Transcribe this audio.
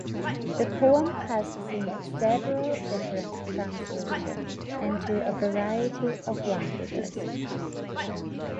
The poem has seen several different translations, into a variety of languages.